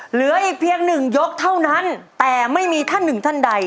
เหลืออีกเพียงหนึ่งยกเท่านั้นแต่ไม่มีท่านหนึ่งท่านใด